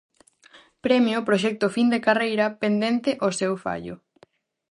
Premio Proxecto Fin de Carreira: pendente o seu fallo.